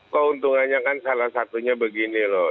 keuntungannya kan salah satunya begini loh